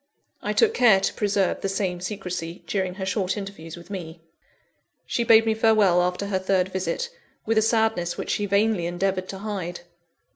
I took care to preserve the same secrecy, during her short interviews with me. She bade me farewell after her third visit, with a sadness which she vainly endeavoured to hide.